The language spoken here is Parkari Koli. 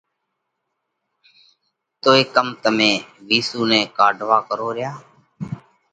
توئي ڪم تمي وِيسُو نئہ ڪاڍوا ڪروه ريا؟